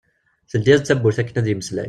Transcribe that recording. Teldi-as-d tawwurt akken ad yemmeslay.